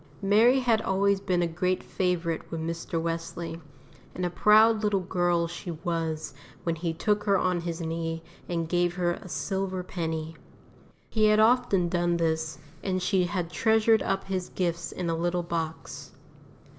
Mary had always been a great favourite with Mr. Wesley, and a proud little girl she was when he took her on his knee and gave her a silver penny. He had often done this, and she had treasured up his gifts in a little box.